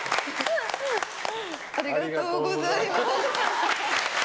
ありがとうございます。